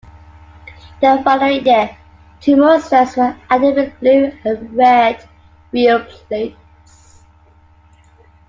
The following year, two more sets were added with blue and red wheel plates.